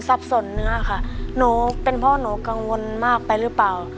สนเนื้อค่ะหนูเป็นพ่อหนูกังวลมากไปหรือเปล่า